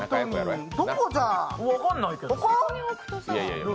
分かんないけど。